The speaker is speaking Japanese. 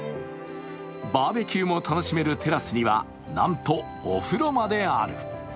バーベキューも楽しめるテラスにはなんとお風呂まである。